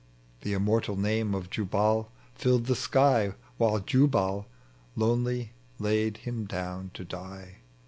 The immortal name of Jnbal fiUed tbe sky, While Jubal lonely laid him down to die.